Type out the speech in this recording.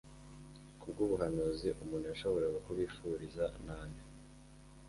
Kubwubuhanzi umuntu yashoboraga kubifuriza nabi